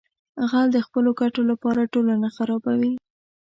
غل د خپلو ګټو لپاره ټولنه خرابوي